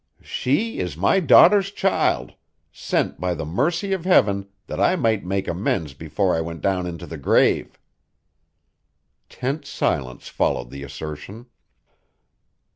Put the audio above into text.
"She is my daughter's child, sent by the mercy of heaven that I might make amends before I went down into the grave." Tense silence followed the assertion.